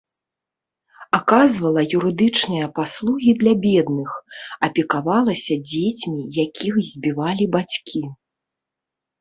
Аказвала юрыдычныя паслугі для бедных, апекавалася дзецьмі, якіх збівалі бацькі.